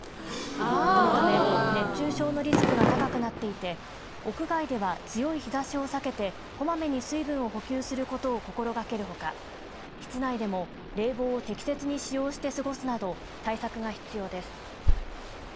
このため、熱中症のリスクが高くなっていて屋外では強い日ざしを避けてこまめに水分を補給することを心がけるほか室内でも冷房を適切に使用して過ごすなど対策が必要です。